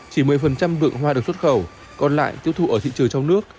chỉ một mươi vượng hoa được xuất khẩu còn lại tiêu thụ ở thị trường trong nước